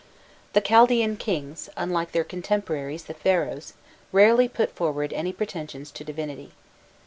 The Chaldaean kings, unlike their contemporaries the Pharaohs, rarely put forward any pretensions to divinity.